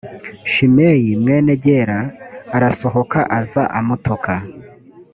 shimeyi mwene gera arasohoka aza amutuka